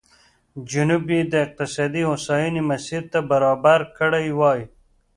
جنوب یې د اقتصادي هوساینې مسیر ته برابر کړی وای.